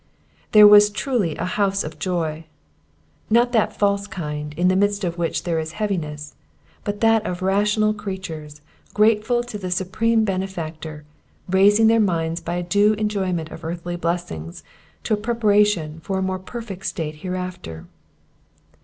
There was truly a house of joy; not that false kind, in the midst of which there is heaviness, but that of rational creatures, grateful to the Supreme Benefactor, raising their minds by a due enjoyment of earthly blessings to a preparation for a more perfect state hereafter.